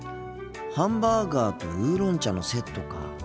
ハンバーガーとウーロン茶のセットか。